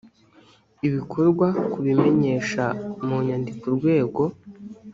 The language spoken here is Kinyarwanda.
ibikorwa kubimenyesha mu nyandiko urwego